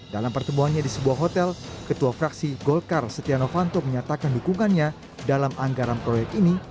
dalam pertemuannya di sebuah hotel ketua fraksi golkar setia novanto menyatakan dukungannya dalam anggaran proyek ini